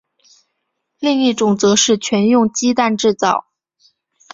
另一种则是全用鸡蛋制造。